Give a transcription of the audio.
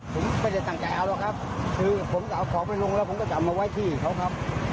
ผมไม่ได้ตั้งใจเอาหรอกครับคือผมจะเอาของไปลงแล้วผมก็จะเอามาไว้ที่เขาครับ